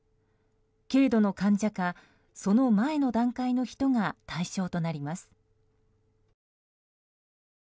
軽度の患者かその前の段階の人が対象となります。